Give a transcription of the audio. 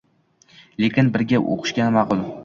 Lekin birga o‘qishgani ma’qul.